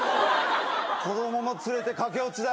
子供も連れて駆け落ちだよ。